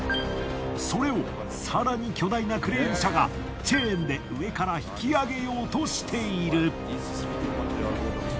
それを更に巨大なクレーン車がチェーンで上から引き上げようとしている。